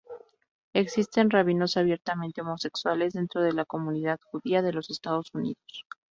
Existen rabinos abiertamente homosexuales dentro de la comunidad judía de los Estados Unidos.